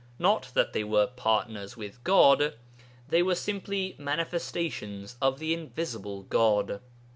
Not that they were 'partners' with God; they were simply manifestations of the Invisible God.